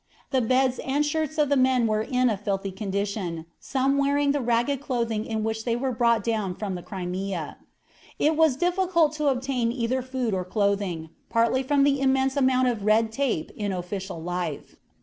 The beds and shirts of the men were in a filthy condition, some wearing the ragged clothing in which they were brought down from the Crimea. It was difficult to obtain either food or clothing, partly from the immense amount of "red tape" in official life.